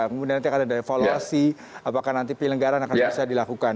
kemudian nanti akan ada evaluasi apakah nanti penyelenggaran akan bisa dilakukan